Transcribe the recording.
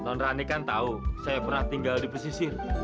non rani kan tahu saya pernah tinggal di pesisir